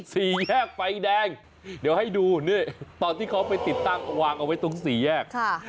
สี่แยกไฟแดงเดี๋ยวให้ดูนี่ตอนที่เขาไปติดตั้งวางเอาไว้ตรงสี่แยก